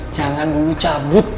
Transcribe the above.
jangan dulu cabut